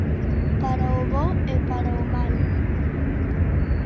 Para o bo e para o malo.